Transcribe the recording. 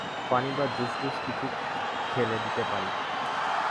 পানি বা জুস-টুস কিছু খেলে দিতে পারি?